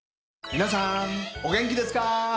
皆さんお元気ですか？